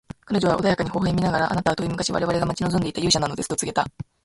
彼女は穏やかに微笑みながら、「あなたは遠い昔、我々が待ち望んでいた勇者なのです」と告げた。